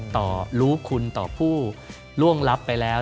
รู้คุณต่อผู้ล่วงลับไปแล้ว